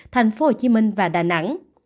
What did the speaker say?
thành phố hồ chí minh và đà nẵng